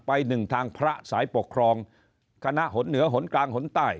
หนึ่งทางพระสายปกครองคณะหนเหนือหนกลางหนใต้